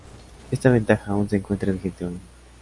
Esta ventaja aún se encuentra vigente hoy.